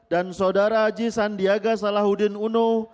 dan saudara haji sandiaga salahuddin uno